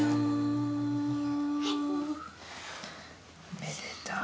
おめでとう。